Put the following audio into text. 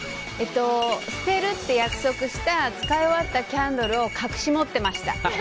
捨てるって約束した使い終わったキャンドルを隠し持ってました。